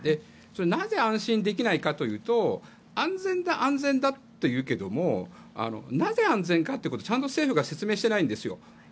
なぜ安心できないかというと安全だ安全だと言うけどもなぜ安全かということをちゃんと政府が説明していないんですよ。